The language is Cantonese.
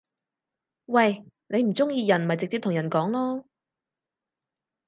喂！你唔中意人咪直接同人講囉